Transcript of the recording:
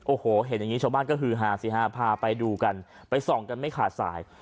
โอ้โหเห็นอย่างนี้ชาวบ้านก็คือฮาสิฮะพาไปดูกันไปส่องกันไม่ขาดสาย